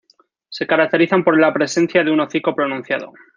Se caracterizan por la presencia de un hocico pronunciado.